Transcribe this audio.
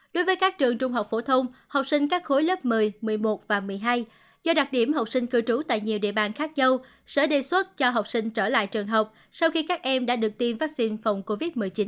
đối với các trường trung học phổ thông học sinh các khối lớp một mươi một mươi một và một mươi hai do đặc điểm học sinh cư trú tại nhiều địa bàn khác nhau sở đề xuất cho học sinh trở lại trường học sau khi các em đã được tiêm vaccine phòng covid một mươi chín